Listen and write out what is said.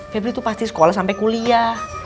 febri itu pasti sekolah sampai kuliah